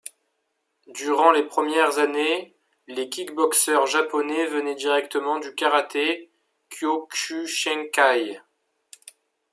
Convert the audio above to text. Durant les premières années, les kick-boxeurs japonais venaient directement du karaté kyokushinkai.